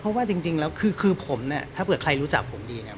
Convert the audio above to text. เพราะว่าจริงแล้วคือคือผมเนี่ยถ้าเกิดใครรู้จักผมดีเนี่ย